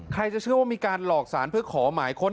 จะเชื่อว่ามีการหลอกสารเพื่อขอหมายค้น